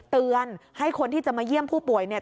เตือนให้คนที่จะมาเยี่ยมผู้ป่วยเนี่ย